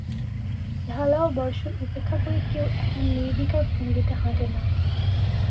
ঢালাও বর্ষণ উপেক্ষা করে কেউ এমন নির্বিকার ভঙ্গিতে হাঁটে না।